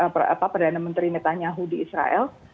perdana menteri netanyahu di israel